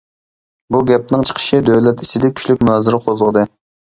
بۇ گەپنىڭ چىقىشى دۆلەت ئىچىدە كۈچلۈك مۇنازىرە قوزغىدى.